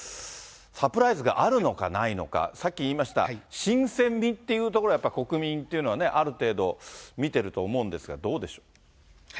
サプライズがあるのかないのか、さっき言いました、新鮮味っていうところ、やっぱり国民っていうのはある程度、見てると思うんですが、どうでしょう。